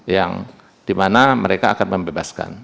yang di mana mereka akan membebaskan